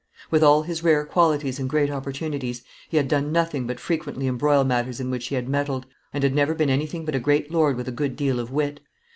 With all his rare qualities and great opportunities he had done nothing but frequently embroil matters in which he had meddled, and had never been anything but a great lord with a good deal of wit.